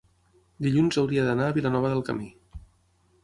dilluns hauria d'anar a Vilanova del Camí.